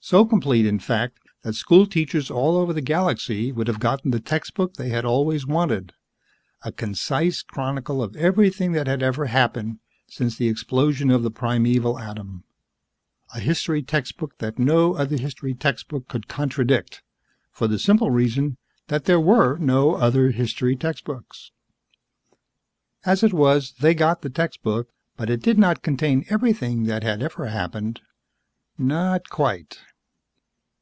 So complete, in fact, that schoolteachers all over the galaxy would have gotten the textbook they had always wanted a concise chronicle of everything that had ever happened since the explosion of the primeval atom, a history textbook that no other history textbook could contradict for the simple reason that there were no other history textbooks. As it was, they got the textbook, but it did not contain everything that had ever happened. Not quite.